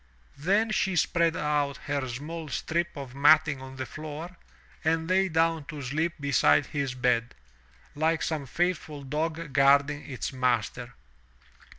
Then she spread out her small strip of matting on the floor, and lay down to sleep beside his bed, like some faithful dog guarding its master.